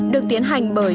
được tiến hành bởi